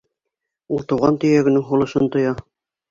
Ул тыуған төйәгенең һулышын тоя.